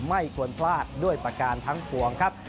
ไม่ควรพลาดด้วยประการทั้งปวงครับ